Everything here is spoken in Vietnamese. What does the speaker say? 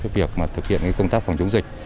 việc thực hiện công tác phòng chống dịch